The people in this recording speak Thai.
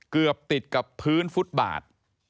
เกือบติดกับพื้นฟุตบาท